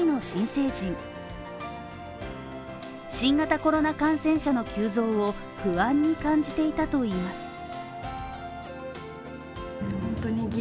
新型コロナ感染者の急増を不安に感じていたといいます。